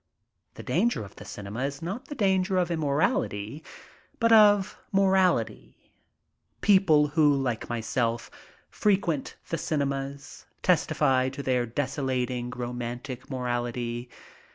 The danger of the cinema is not the danger of immorality, but of morality ... people who, like myself, frequent the cinemas, testify to their desolating romantic mor ality